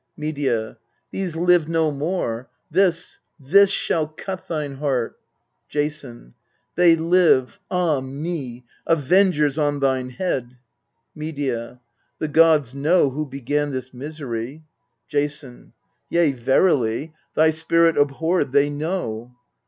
Medea. These live no more : this, this shall cut thine heart ! Jason. They live ah me ! avengers on thine head. Medea. The gods know who began this misery. Jasoji. Yea, verily, thy spirit abhorred they know.